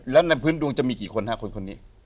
แล้วในพื้นดวงจะมีกี่คนฮะคนนี้